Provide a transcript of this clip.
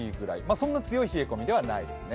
そんな強い冷え込みではないですね。